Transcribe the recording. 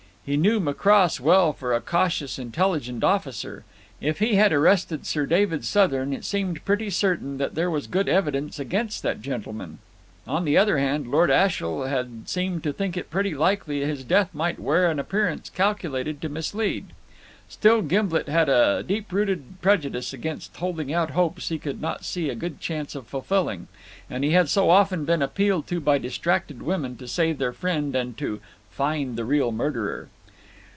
He knew Macross well for a cautious, intelligent officer; if he had arrested Sir David Southern it seemed pretty certain that there was good evidence against that gentleman. On the other hand Lord Ashiel had seemed to think it likely that his death might wear an appearance calculated to mislead. Still Gimblet had a deep rooted prejudice against holding out hopes he could not see a good chance of fulfilling, and he had so often been appealed to by distracted women to save their friend and "find the real murderer."